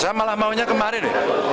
saya malah maunya kemarin